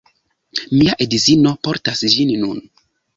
Mia edzino portas ĝin nun